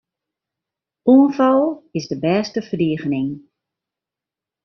Oanfal is de bêste ferdigening.